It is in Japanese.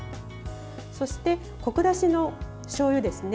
そしてこく出しのしょうゆですね。